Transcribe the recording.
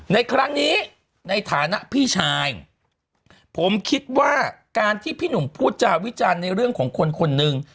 ในครั้งนี้ในฐานะพี่ชายผมคิดว่าการที่พี่หนุ่มพูดจาวิจารณ์ในเรื่องของคนคนหนึ่ง